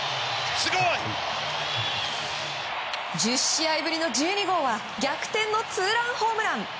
１０試合ぶりの１２号は逆転のツーランホームラン。